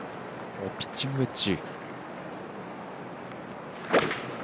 ピッチングウェッジ。